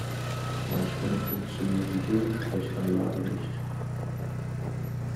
Manchmal funktioniert die Gegensprechanlage nicht.